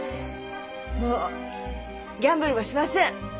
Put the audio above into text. もうギャンブルはしません。